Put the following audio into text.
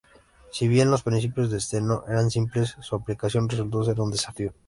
Si bien los principios de Steno eran simples, su aplicación resultó ser un desafío.